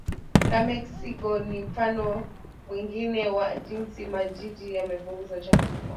la Mexico ni mfano mwingine wa jinsi majiji yamepunguza uchafuzi wao